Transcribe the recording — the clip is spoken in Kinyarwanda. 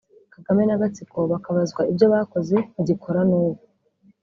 Kagame n’agatsiko bakabazwa ibyo bakoze bagikora n’ubu